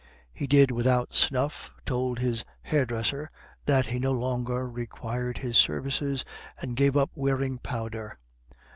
He did without snuff, told his hairdresser that he no longer required his services, and gave up wearing powder.